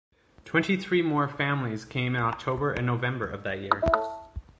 Twenty-three more families came in October and November of that year.